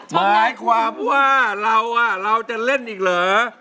หมายความว่าเราจะเล่นอีกเหรอ